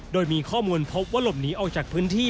โดยมีข้อมูลพบว่าหลบหนีออกจากพื้นที่